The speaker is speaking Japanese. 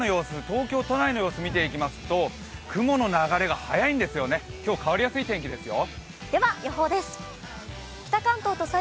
東京都内の空を見ていくと雲の流れが速いんですよね、今日変わりやすい天気ですよ。